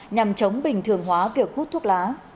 nhằm chống bình thường hóa việc hút thuốc lá